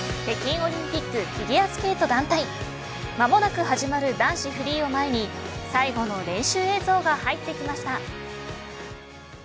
北京オリンピックフィギュアスケート団体間もなく始まる男子フリーを前に最後の練習映像が入ってきました。